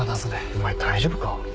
お前大丈夫か？